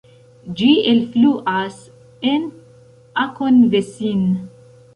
Ĝi elfluas en Akonvesin.